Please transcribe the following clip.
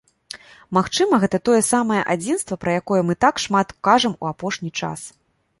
Магчыма, гэта тое самае адзінства, пра якое мы так шмат кажам у апошні час.